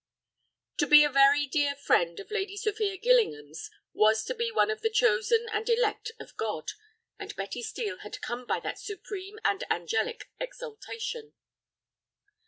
To be a very dear friend of Lady Sophia Gillingham's was to be one of the chosen and elect of God, and Betty Steel had come by that supreme and angelic exaltation.